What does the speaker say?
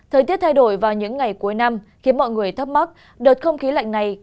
thời tiết thay đổi vào những ngày cuối năm khiến mọi người thắc mắc đợt không khí lạnh này